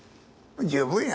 十分や。